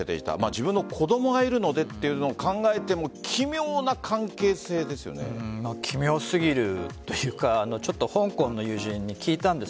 自分の子供がいるのでというのを考えても奇妙すぎるというか香港の友人に聞いたんです。